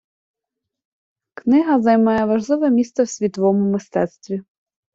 Книга займає важливе місце світовому мистецтві.